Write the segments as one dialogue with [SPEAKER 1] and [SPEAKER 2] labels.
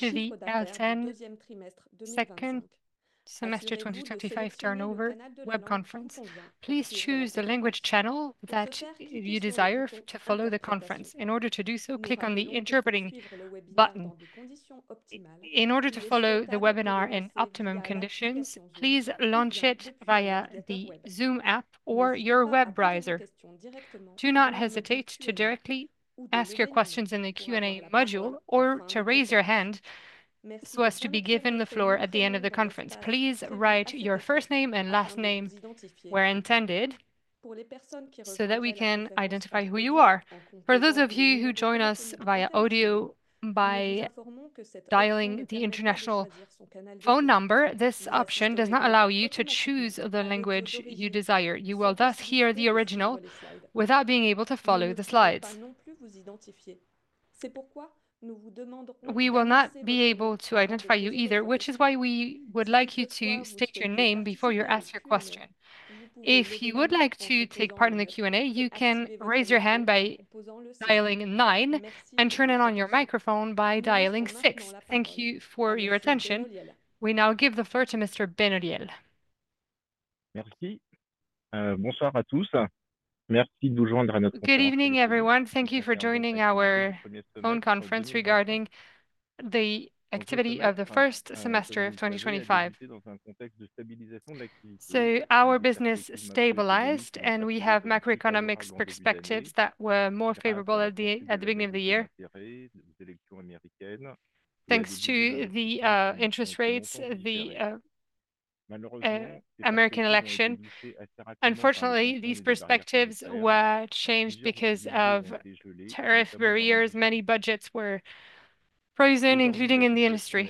[SPEAKER 1] Welcome to the ALTEN 2nd Semester 2025 Turnover Web Conference. Please choose the language channel that you desire to follow the conference. In order to do so, click on the Interpreting button. In order to follow the webinar in optimum conditions, please launch it via the Zoom app or your web browser. Do not hesitate to directly ask your questions in the Q&A module or to raise your hand so as to be given the floor at the end of the conference. Please write your first name and last name where intended so that we can identify who you are. For those of you who join us via audio by dialing the international phone number, this option does not allow you to choose the language you desire. You will thus hear the original without being able to follow the slides. We will not be able to identify you either, which is why we would like you to state your name before you ask your question. If you would like to take part in the Q&A, you can raise your hand by dialing 9 and turn on your microphone by dialing 6. Thank you for your attention. We now give the floor to Mr. Bruno Benoliel.
[SPEAKER 2] [Translator]: Good evening everyone. Thank you for joining our own conference regarding the activity of the first semester of 2025. Our business stabilized and we have macroeconomics perspectives that were more favorable at the beginning of the year thanks to the interest rates of the American election. Unfortunately, these perspectives were changed because of tariff barriers. Many budgets were frozen, including in the industry.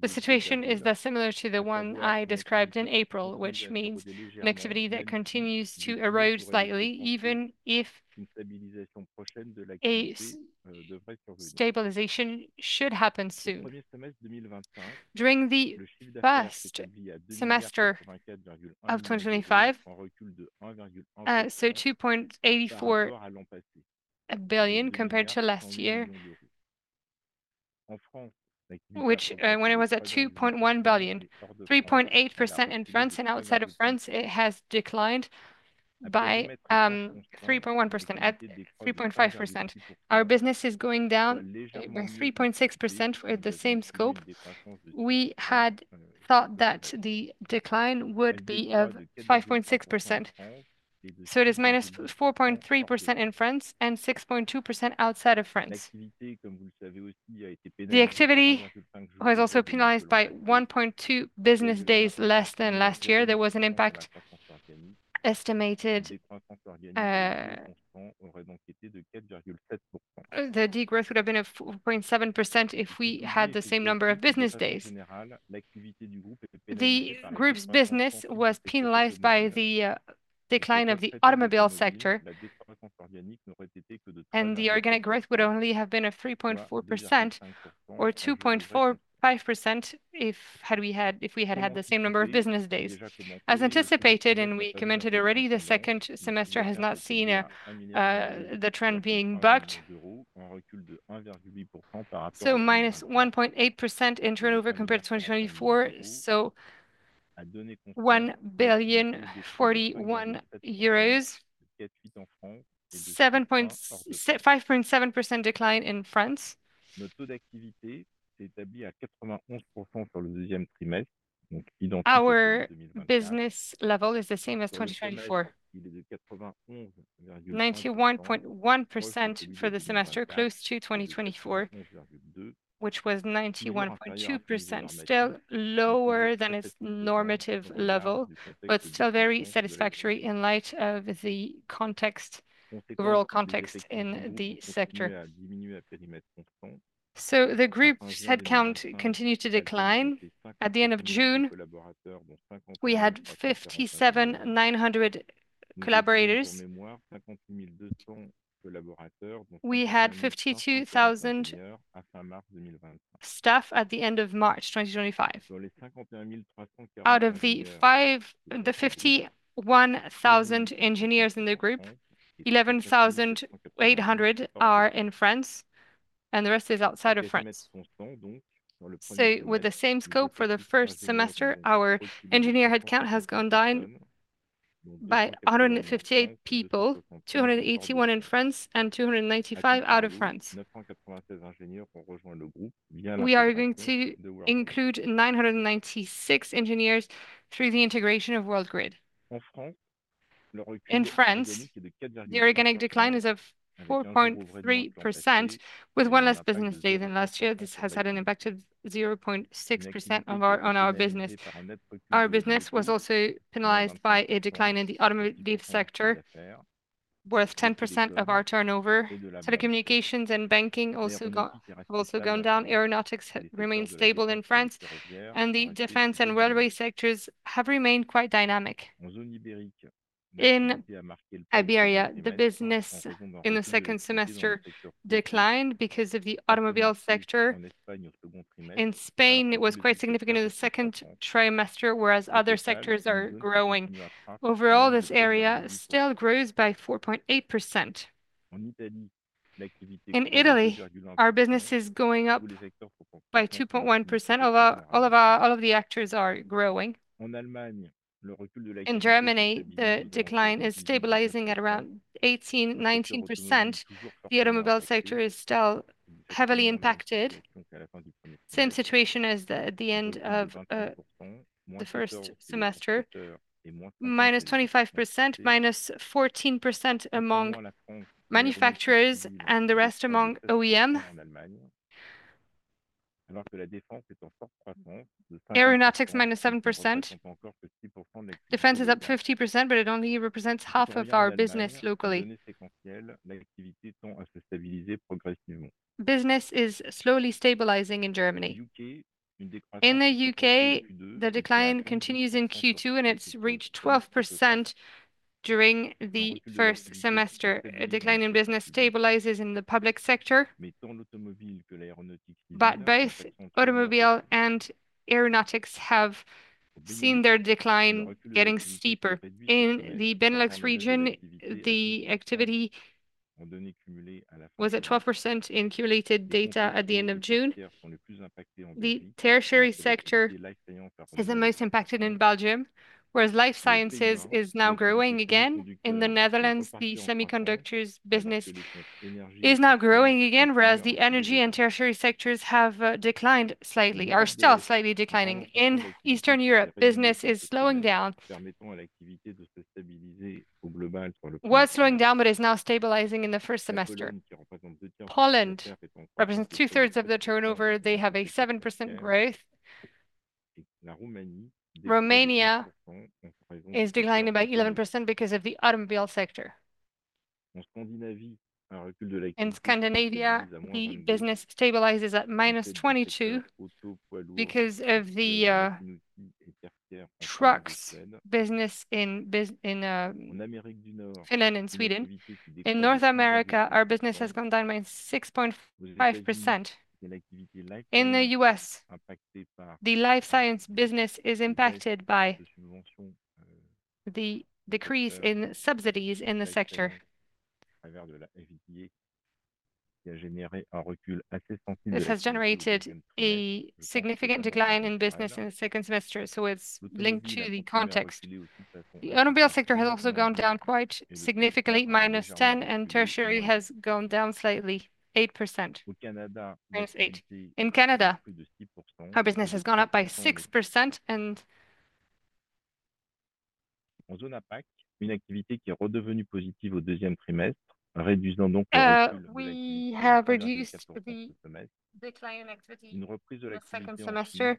[SPEAKER 2] The situation is similar to the one I described in April, which means an activity that continues to erode slightly even if stabilization should happen soon during the first semester of 2025. 2.84 billion compared to last year, when it was at 2.1 billion. 3.8% in France and outside of France it has declined by 3.1%. At 3.5% our business is going down by 3.6% at the same scope. We had thought that the decline would be of 5.6% so it is -4.3% in France and 6.2% outside of France. The activity was also penalized by 1.2 business days less than last year. There was an impact estimated the degrowth would have been 4.7% if we had the same number of business days. The group's business was penalized by the decline of the automobile sector and the organic growth would only have been 3.4% or 2.45% if we had had the same number of business days. As anticipated, we commented already the second semester has not seen the trend being bucked, -1.8% in turnover compared to 2024. EUR 1.41 million, 5.7% decline. In France, our business level is the same as 2024, 91.1% for the semester, close to 2024, which was 91.2%. Still lower than its normative level, but still very satisfactory in light of the overall context in the sector. The group's headcount continued to decline. At the end of June, we had 57,900 collaborators. We had 52,000 staff at the end of March 2025, out of the 51,000 engineers in the group, 11,800 are in France and the rest is outside of France. With the same scope for the first semester, our engineer headcount has gone down by 158 people, 281 in France and 295 out of France. We are going to include 996 engineers through the integration of Worldgrid. In France, the organic decline is 4.3% with one less business day than last year. This has had an impact of 0.6% on our business. Our business was also penalized by a decline in the automotive sector, worth 10% of our turnover. Telecommunications and banking have also gone down. Aeronautics remain stable in France and the defense and railway sectors have remained quite dynamic. In Iberia, the business in the second semester declined because of the automobile sector. In Spain, it was quite significant in the second trimester, whereas other sectors are growing. Overall, this area still grows by 4.8%. In Italy, our business is going up by 2.1%. All of the actors are growing. In Germany, the decline is stabilizing at around 18-19%. The automobile sector is still heavily impacted. Same situation as at the end of the first semester, -25%, -14% among manufacturers and the rest among OEM. Aeronautics -7%, defense is up 50%, but it only represents half of our business locally. Business is slowly stabilizing in Germany. In the U.K., the decline continues in Q2 and it's reached 12% during the first semester. A decline in business stabilizes in the public sector, both automobile and aeronautics have seen their decline getting steeper. In the Benelux region, the activity was at 12% accumulated data at the end of June. The tertiary sector is the most impacted in Belgium, whereas life sciences is now growing again. In the Netherlands, the semiconductors business is now growing again, whereas the energy and tertiary sectors have declined slightly, are still slightly declining. In Eastern Europe, business is slowing down, was slowing down, but is now stabilizing in the first semester. Poland represents two thirds of the turnover. They have a 7% growth. Romania is declining by 11% because of the automobile sector. In Scandinavia, the business stabilizes at -22% because of the trucks business in Finland and Sweden. In North America, our business has gone down by 6.5%. In the U.S., the life science business is impacted by the decrease in subsidies in the sector. This has generated a significant decline in business in the second semester, it's linked to the context. The automobile sector has also gone down quite significantly, -10%, and tertiary has gone down slightly, -8%. In Canada, our business has gone up by 6% and we have reduced second semester.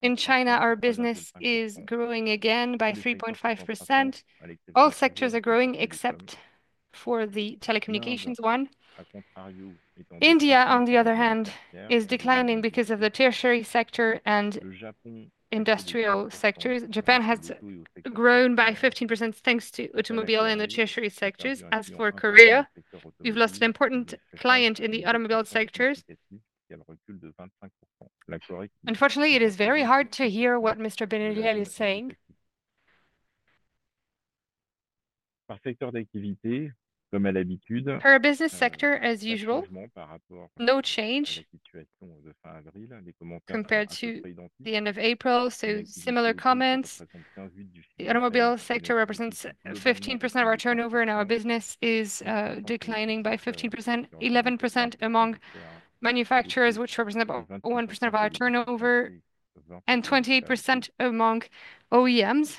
[SPEAKER 2] In China, our business is growing again by 3.5%. All sectors are growing except for the telecommunications one. India, on the other hand, is declining because of the tertiary sector and industrial sectors. Japan has grown by 15% thanks to automobile and the tertiary sectors. As for Korea, we've lost an important client in the automobile sectors. Unfortunately, it is very hard to hear what Mr. Benoliel is saying. Per business sector, as usual, no change compared to the end of April. Similar comments. The automobile sector represents 15% of our turnover and our business is declining by 15%, 11% among manufacturers, which represent about 1% of our turnover, and 28% among OEMs.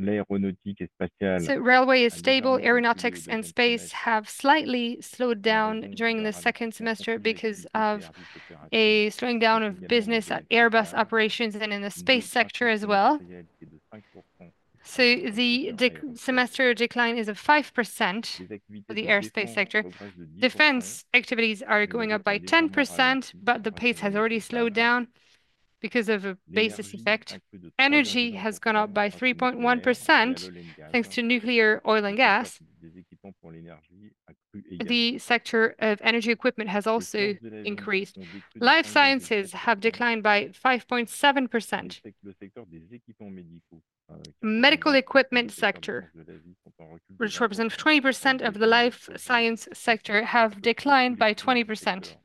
[SPEAKER 2] Railway is stable. Aeronautics and space have slightly slowed down during the second semester because of a slowing down of business, Airbus operations, and in the space sector as well, the semester decline is of 5% for the aerospace sector. Defense activities are going up by 10%, but the pace has already slowed down because of a basis effect. Energy has gone up by 3.1%, thanks to nuclear, oil, and gas. The sector of energy equipment has also increased. Life sciences have declined by 5.7%. Medical equipment sector, which represents 20% of the life science sector, have declined by 20%.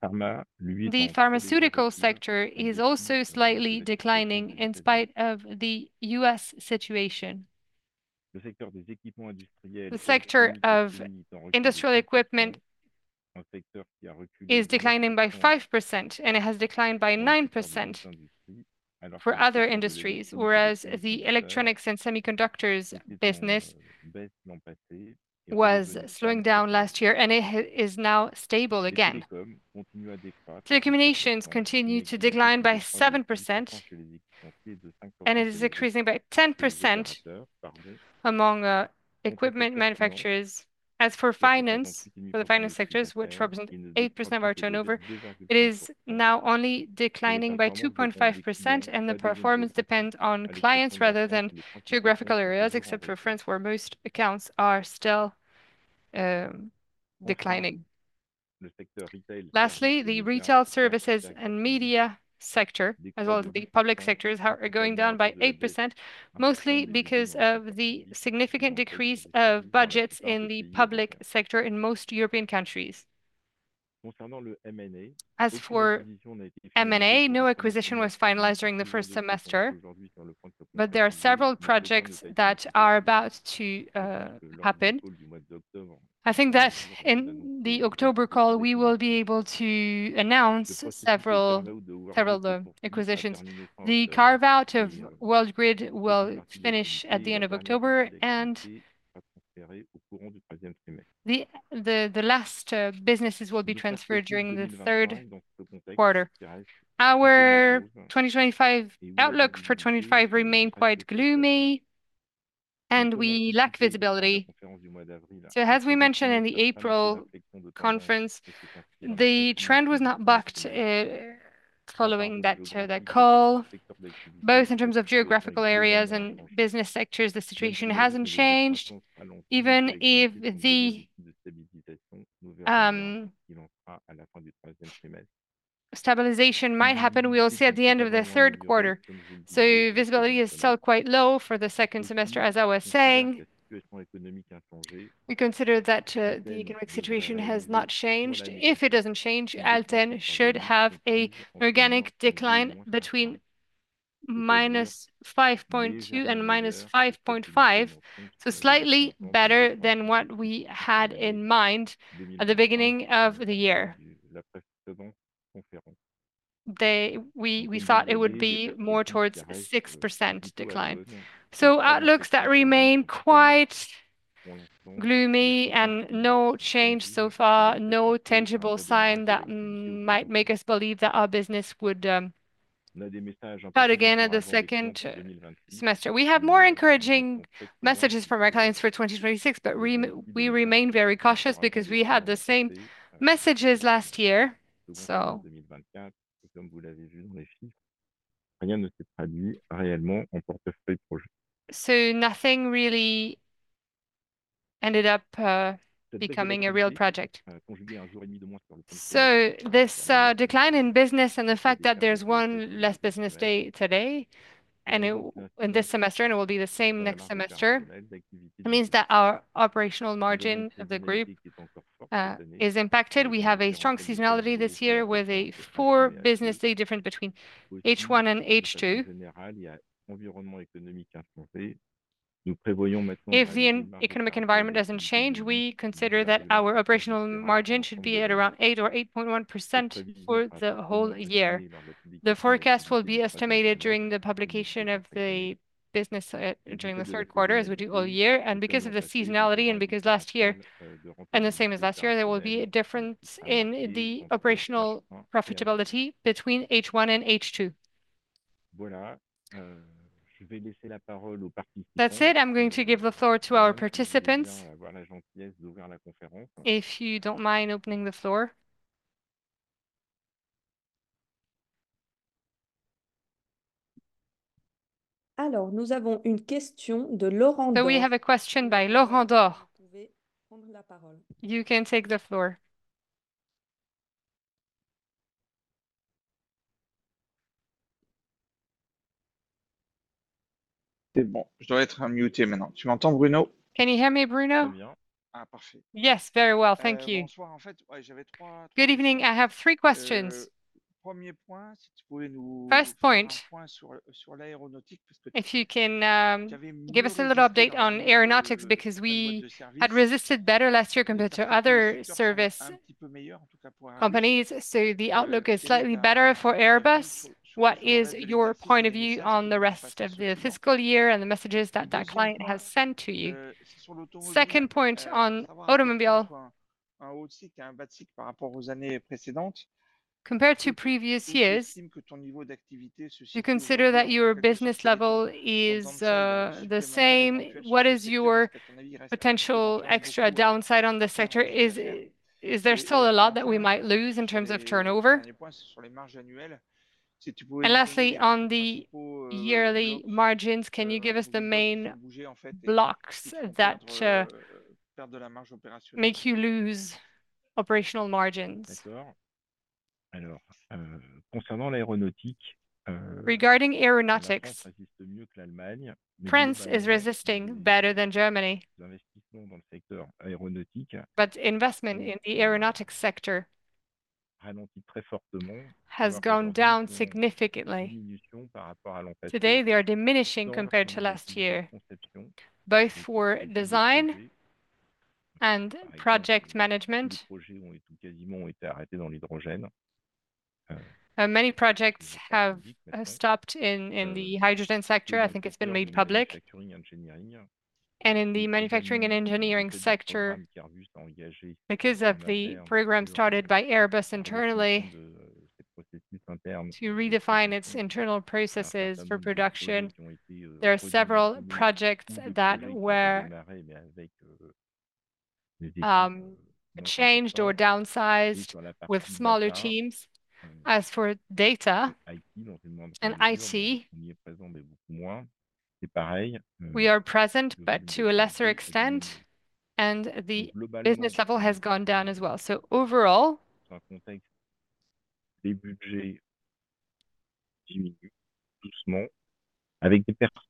[SPEAKER 2] The pharmaceutical sector is also slightly declining in spite of the U.S. situation. The sector of industrial equipment is declining by 5% and it has declined by 9% for other industries. Whereas the electronics and semiconductors business was slowing down last year, it is now stable again. The accumulations continue to decline by 7%, and it is increasing by 10% among equipment manufacturers. As for finance, for the finance sectors, which represent 8% of our turnover, it is now only declining by 2.5%. The performance depends on clients rather than geographical areas, except for France, where most accounts are still declining. Lastly, the retail, services, and media sector as well as the public sectors are going down by 8%, mostly because of the significant decrease of budgets in the public sector in most European countries. As for M&A, no acquisition was finalized during the first semester, but there are several projects that are about to happen. I think that in the October call we will be able to announce several acquisitions. The carve out of Worldgrid will finish at the end of October, and the last businesses will be transferred during the third quarter. Our 2025 outlook for 25 remained quite gloomy, and we lack visibility. As we mentioned in the April conference, the trend was not bucked following that call. Both in terms of geographical areas and business sectors, the situation hasn't changed. Even if the stabilization might happen, we will see at the end of the third quarter. Visibility is still quite low for the second semester. As I was saying, we consider that the economic situation has not changed. If it doesn't change, ALTEN should have an organic decline between -5.2% and -5.5%. This is slightly better than what we had in mind at the beginning of the year. Then we thought it would be more towards 6% decline. Outlooks remain quite gloomy and no change so far, no tangible sign that might make us believe that our business would again at the second semester. We have more encouraging messages from our clients for 2026, but we remain very cautious because we had the same messages last year. Nothing really ended up becoming a real project. This decline in business and the fact that there's one less business day today in this semester, and it will be the same next semester, means that our operational margin of the group is impacted. We have a strong seasonality this year with a four business day difference between H1 and H2. If the economic environment doesn't change, we consider that our operational margin should be at around 8% or 8.1% for the whole year. The forecast will be estimated during the publication of the business during the third quarter, as we do all year. Because of the seasonality and because last year, and the same as last year, there will be a difference in the operational profitability between H1 and H2. That's it. I'm going to give the floor to our participants. If you don't mind opening the floor.
[SPEAKER 1] We have a question by Laurent Daure. You can take the floor.
[SPEAKER 3] [Translator]: Can you hear me, Bruno?
[SPEAKER 2] Yes, very well. Thank you.
[SPEAKER 3] [Translator]: Good evening. I have three questions. First point, if you can give us a little update on aeronautics, because we had resisted better last year compared to other service companies. The outlook is slightly better for Airbus. What is your point of view on the rest of the fiscal year and the messages that that client has sent to you? Second point, on automobile, compared to previous years, you consider that your business level is the same. What is your potential extra downside on the sector? Is there still a lot that we might lose in terms of turnover? Lastly, on the yearly margins, can you give us the main blocks that make you lose operational margins?
[SPEAKER 2] [Translator]: Regarding aeronautics, France is resisting better than Germany. Investment in the aeronautics sector has gone down significantly. Today, they are diminishing compared to last year, both for design and project management. Many projects have stopped in the hydrogen sector, I think it's been made public. In the manufacturing and engineering sector, because of the program started by Airbus internally to redefine its internal processes for production, there are several projects that were changed or downsized with smaller teams. As for data and IT, we are present, but to a lesser extent, and the business level has gone down as well. Overall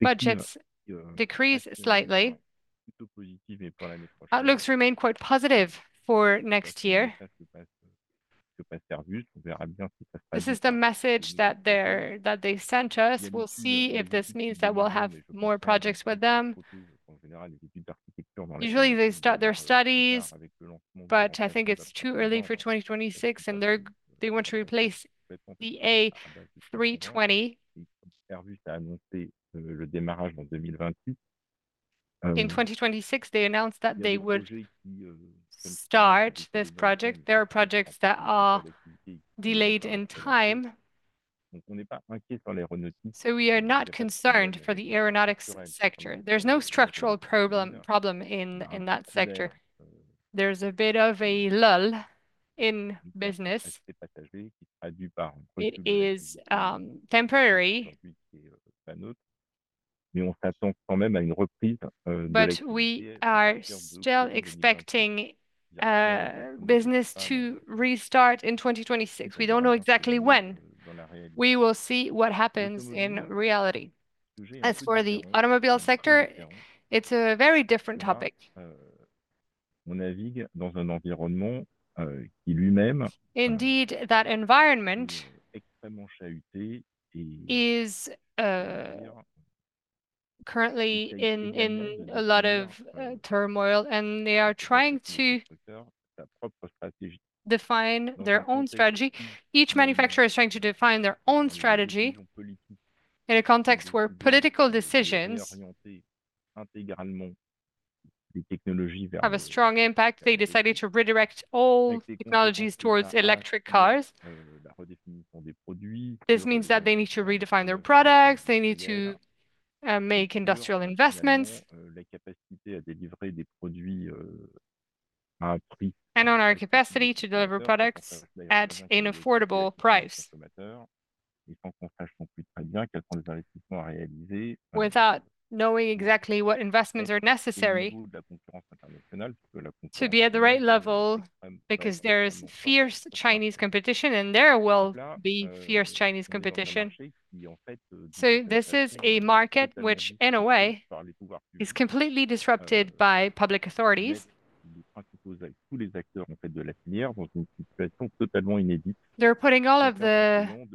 [SPEAKER 2] budgets decrease slightly. Outlooks remain quite positive for next year. This is the message that they sent us. We'll see if this means that we'll have more projects with them. Usually they start their studies, but I think it's too early for 2026 and they want to replace the A320. In 2026, they announced that they would start this project. There are projects that are delayed in time, so we are not concerned for the aeronautics sector. There's no structural problem in that sector. There's a bit of a lull in business. It is temporary, but we are still expecting business to restart in 2026. We don't know exactly when, we will see what happens in reality. As for the automobile sector, it's a very different topic indeed. That environment is currently in a lot of turmoil and they are trying to define their own strategy. Each manufacturer is trying to define their own strategy in a context where political decisions have a strong impact. They decided to redirect all technologies towards electric cars. This means that they need to redefine their products, they need to make industrial investments, and on our capacity to deliver products at an affordable price without knowing exactly what investments are necessary to be at the right level. There is fierce Chinese competition and there will be fierce Chinese competition. This is a market which in a way is completely disrupted by public authorities. They're putting all of the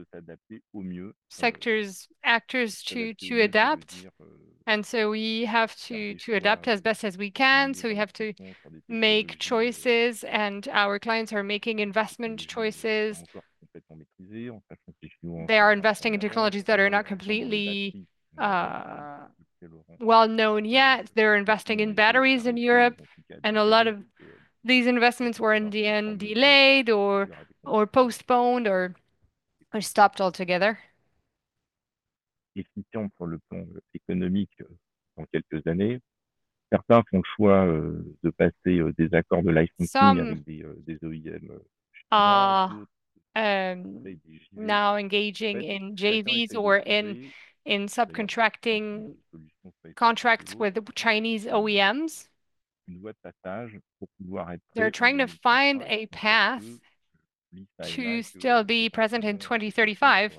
[SPEAKER 2] sector's actors to adapt. We have to adapt as best as we can. We have to make choices and our clients are making investment choices. They are investing in technologies that are not completely well known yet. They're investing in batteries in Europe and a lot of these investments were in the end delayed or postponed or stopped altogether. Now engaging in JVs or in subcontracting contracts with Chinese OEMs, they're trying to find a path to still be present in 2035.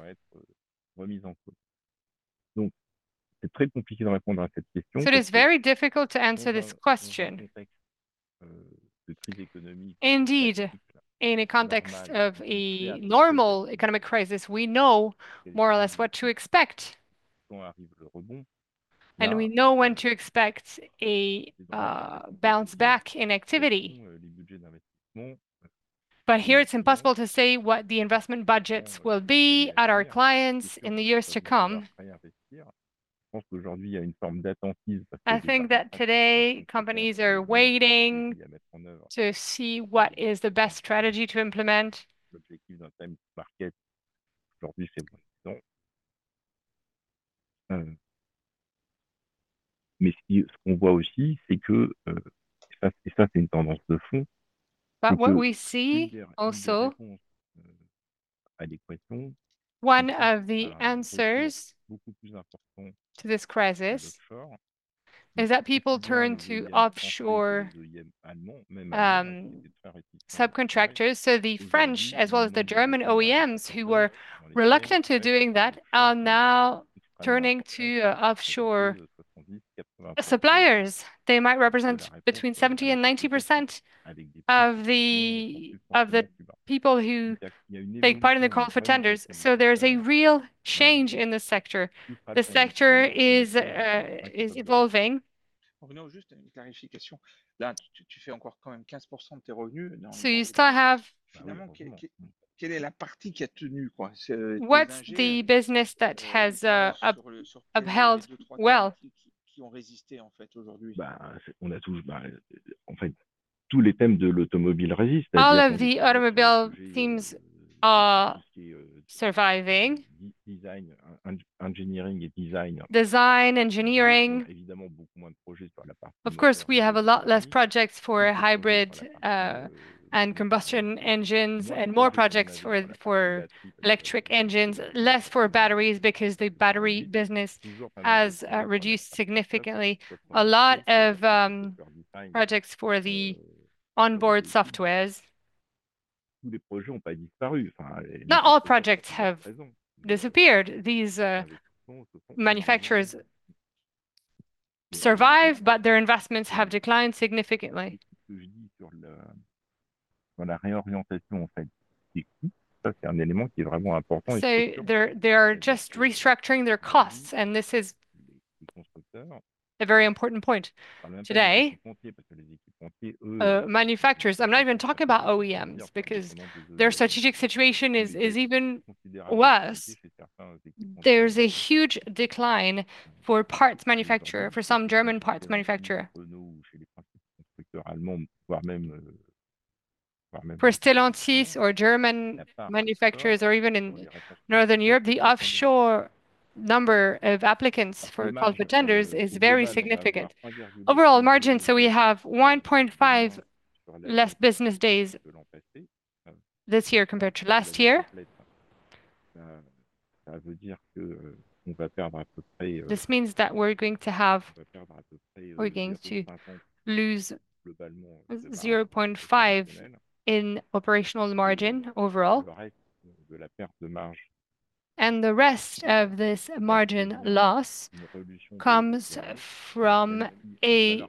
[SPEAKER 2] It is very difficult to answer this question. Indeed, in a context of a normal economic crisis, we know more or less what to expect and we know when to expect a bounce back in activity. Here it's impossible to say what the investment budgets will be at our clients in the years to come. I think that today companies are waiting to see what is the best strategy to implement. What we see also, one of the answers to this crisis is that people turn to offshore subcontractors. The French as well as the German OEMs who were reluctant to doing that are now turning to offshore suppliers. They might represent between 70% and 90% of the people who take part in the call for tenders. There's a real change in the sector. The sector is evolving. You still have what's the business that has upheld. All of the automobile teams are surviving design, engineering. Of course, we have a lot less projects for hybrid and combustion engines and more projects for electric engines, less for batteries because the battery business has reduced significantly. A lot of projects for the onboard softwares, not all projects have disappeared. These manufacturers survive, but their investments have declined significantly. They're just restructuring their costs. This is a very important point. Today, manufacturers, I'm not even talking about OEMs because their strategic situation is even worse. There's a huge decline for parts manufacturer, for some German parts manufacturer, for Stellantis or German manufacturers or even in northern Europe. The offshore number of applicants for both genders is very significant. Overall margin, we have 1.5 less business days this year compared to last year. This means that we're going to have, we're going to lose 0.5 in operational margin overall. The rest of this margin loss comes from the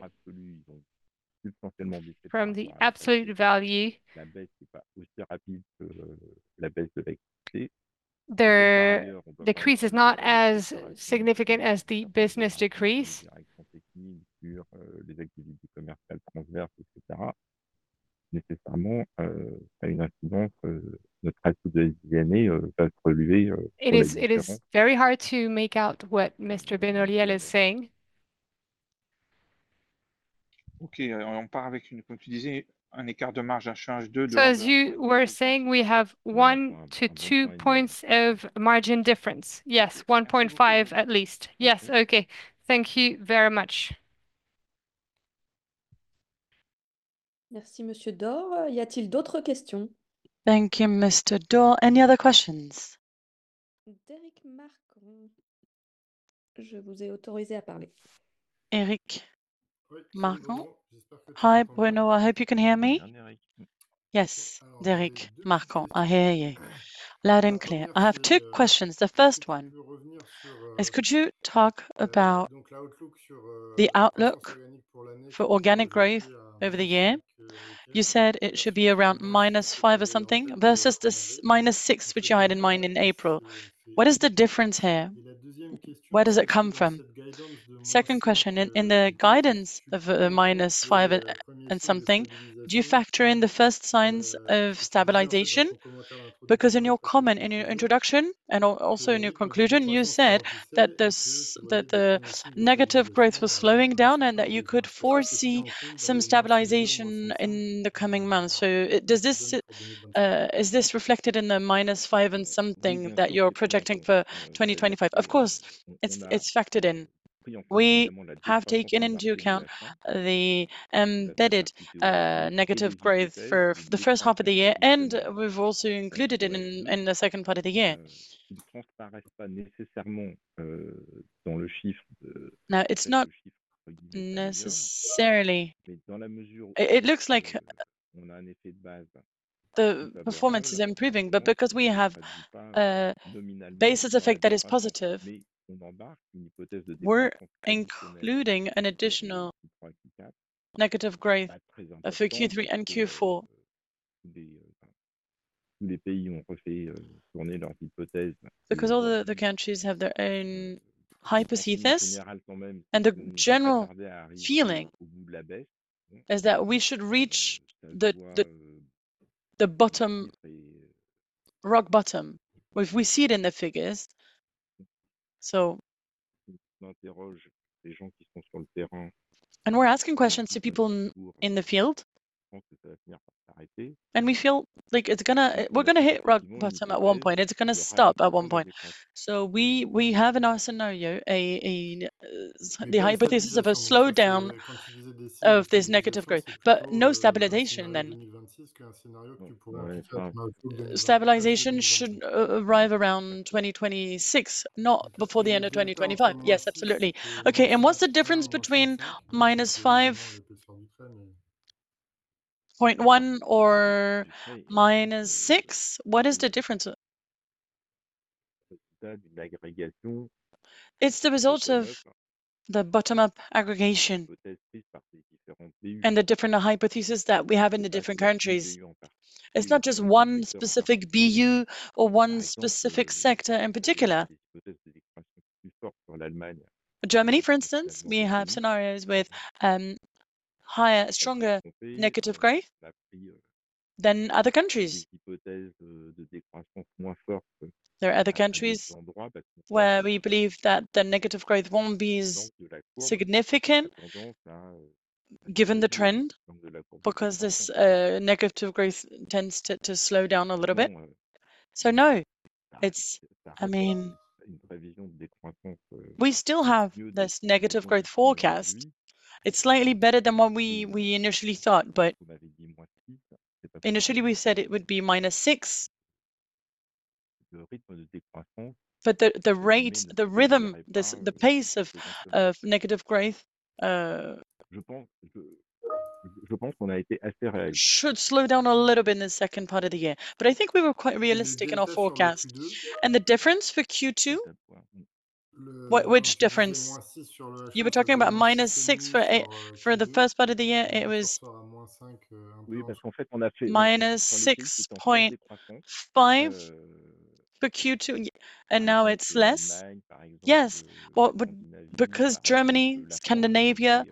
[SPEAKER 2] absolute value. The decrease is not as significant as the business decrease.
[SPEAKER 1] [Translator]: It is very hard to make out what Mr. Benoliel is saying.
[SPEAKER 3] As you were saying, we have one to two points of margin difference.
[SPEAKER 2] Yes, 1.5 at least.
[SPEAKER 3] Yes. Okay, thank you very much.
[SPEAKER 1] Thank you, Mr. Daure. Any other questions? Derric Marcon.
[SPEAKER 4] [Translator]: Hi, Bruno, I hope you can hear me?
[SPEAKER 2] [Translator]: Yes, Derric Marcon. I hear you loud and clear.
[SPEAKER 4] [Translator]: I have two questions. The first one, could you talk about the outlook for organic growth over the year. You said it should be around -5% or something versus this -6% which you had in mind in April. What is the difference here? Where does it come from? Second question, in the guidance of -5% and something, do you factor in the first signs of stabilization? Because in your comment, in your introduction and also in your conclusion, you said that the negative growth was slowing down and that you could foresee some stabilization in the coming months. Is this reflected in the -5% and something that you're projecting for 2025?
[SPEAKER 2] [Translator]: Of course it's factored in. We have taken into account the embedded negative growth for the first half of the year and we've also included it in the second part. Now it's not necessarily, it looks like the performance is improving, but because we have basis effect that is positive. We're including an additional negative growth for Q3 and Q4 because all the countries have their own hypothesis. The general feeling is that we should reach the bottom, rock bottom. If we see it in the figures, and we're asking questions to people in the field and we feel like it's going to, we're going to hit rock bottom at one point, it's going to stop at one point. We have in our scenario, the hypothesis of a slowdown of this negative growth but no stabilization. Stabilization should arrive around 2026, not before the end of 2025.
[SPEAKER 4] Yes, absolutely. Okay, and what's the difference between -5.1 or -6? What is the difference?
[SPEAKER 2] It's the result of the bottom-up aggregation and the different hypothesis that we have in the different countries. It's not just one specific BU or one specific sector. In Germany, for instance, we have scenarios with higher, stronger negative growth than other countries. There are other countries where we believe that the negative growth won't be significant given the trend because this negative growth tends to slow down a little bit. We still have this negative growth forecast. It's slightly better than what we initially thought, but initially we said it would be -6. The rate, the rhythm, the pace of negative growth should slow down a little bit in the second part of the year. I think we were quite realistic in our forecast. Difference for Q2, which difference you were talking about? -6 or -8? For the first part of the year, it was -6.5 for Q2. Now it's less. Yes, because Germany, Scandinavia,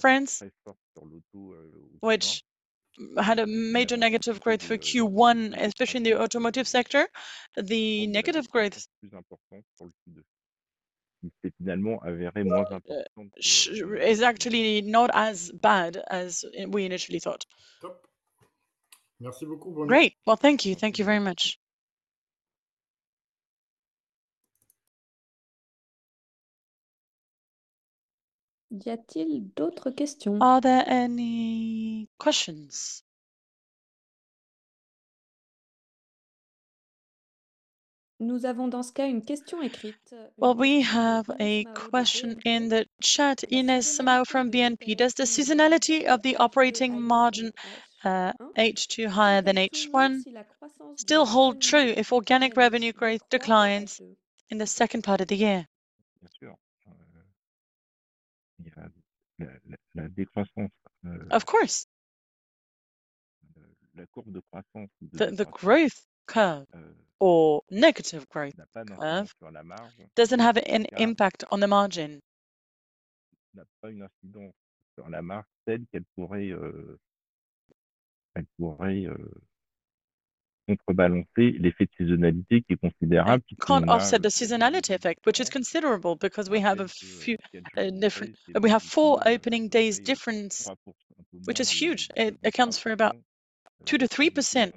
[SPEAKER 2] France, which had a major negative growth for Q1, especially in the automotive sector, the negative growth is actually not as bad as we initially thought.
[SPEAKER 4] Great. Thank you. Thank you very much.
[SPEAKER 1] Are there any questions? We have a question in the chat. Inès Semaoui from BNP.
[SPEAKER 5] [Translator]: Does the seasonality of the operating margin H2 higher than H1 still hold true if organic revenue growth declines in the second part of the year?
[SPEAKER 2] [Translator]: Of course. The growth curve or negative growth doesn't have an impact on the margin. Can't offset the seasonality effect, which is considerable because we have a few different, we have four opening days difference, which is huge. It accounts for about 2%-3%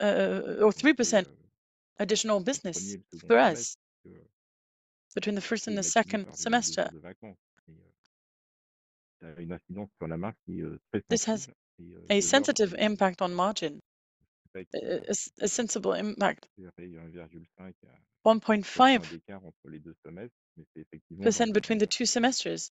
[SPEAKER 2] or 3% additional business for us between the first and the second semester. This has a sensitive impact on margin, a sensible impact, 1.5% between the two semesters.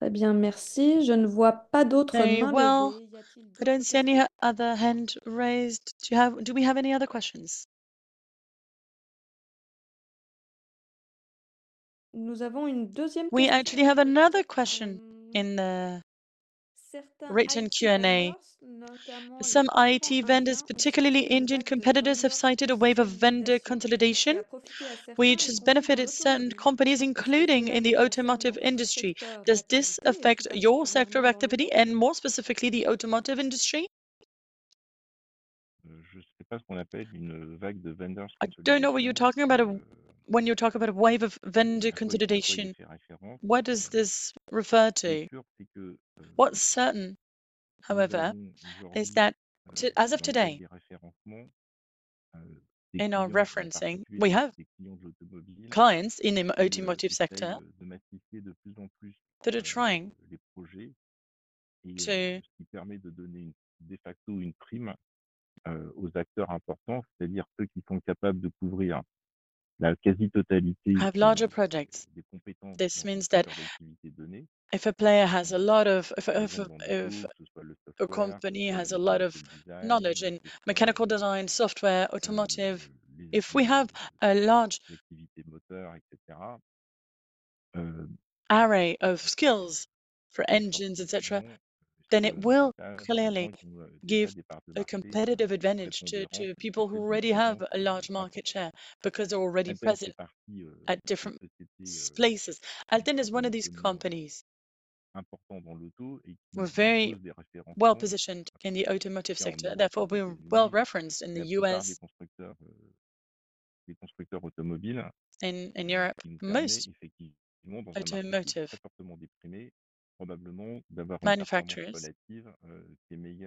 [SPEAKER 2] I don't see any other hand raised. Do we have any other questions?
[SPEAKER 1] We actually have another question in the written Q&A. Some IT vendors, particularly Indian competitors, have cited a wave of vendor consolidation which has benefited certain companies, including in the automotive industry. Does this affect your sector of activity and more specifically the automotive industry?
[SPEAKER 2] I don't know what you're talking about. When you talk about a wave of vendor consolidation, what does this refer to? What's certain, however, is that as of today in our referencing, we have clients in the automotive sector that are trying to. Have larger projects. This means that if a player has a lot of, if a company has a lot of knowledge in mechanical design, software, automotive, if we have a large array of skills for engines, etc. Then it will clearly give a competitive advantage to people who already have a large market share because they're already present at different places. ALTEN is one of these companies. We're very well positioned in the automotive sector, therefore being well referenced in the U.S. in Europe, most automotive manufacturers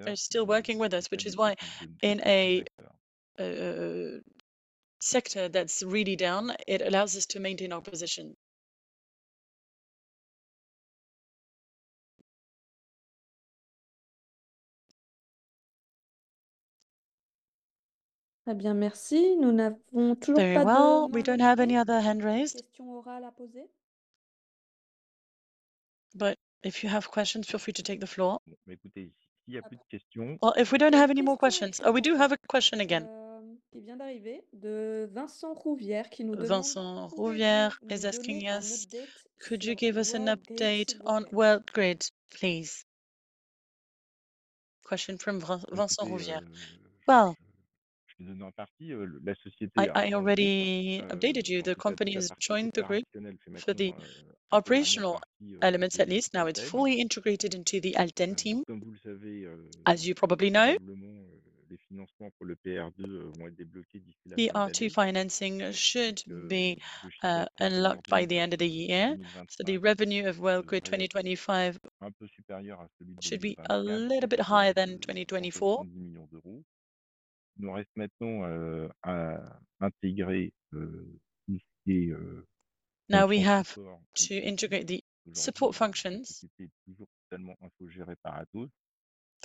[SPEAKER 2] are still working with us, which is why in a sector that's really down, it allows us to maintain our position.
[SPEAKER 1] Very well. We don't have any other hand raised. If you have questions, feel free to take the floor. If we don't have any more questions. Oh, we do have a question again. Could you give us an update on Worldgrid, please? Question from,
[SPEAKER 2] I already updated you. The company has joined the group, so the operational elements, at least now it's fully integrated into the ALTEN team. As you probably know, the R2 financing should be unlocked by the end of the year. The revenue of Worldgrid 2025 should be a little bit higher than 2024. Now we have to integrate the support functions. The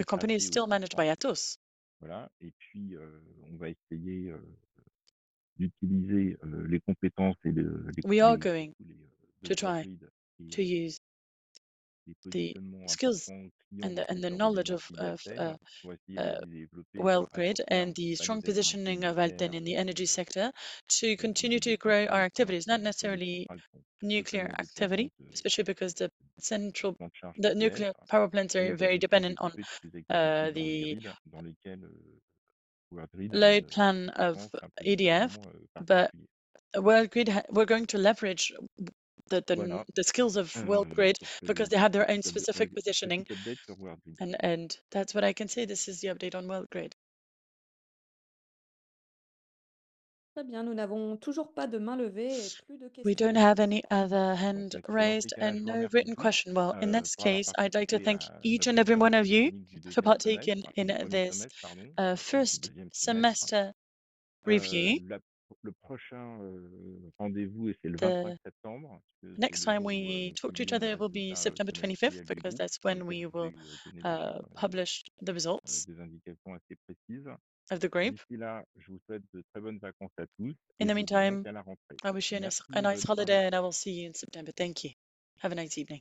[SPEAKER 2] company is still managed by Atos. We are going to try to use the skills and the knowledge of Worldgrid and the strong positioning of ALTEN in the energy sector to continue to grow our activities. Not necessarily nuclear activity especially because the nuclear power plants are very dependent on the load plan of EDF but we're going to leverage the skills of Worldgrid because they have their own specific positioning and that's what I can say. This is the update on Worldgrid. We don't have any other hand raised and no written question. In this case I'd like to thank each and every one of you for partaking in this first semester review. Next time we talk to each other it will be September 25th because that's when we will publish the results of the group. In the meantime, I wish you a nice holiday and I will see you in September. Thank you. Have a nice evening.